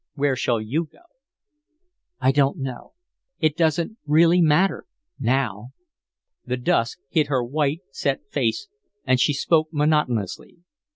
Where shall you go?" "I don't know. It doesn't really matter now." The dusk hid her white, set face and she spoke monotonously.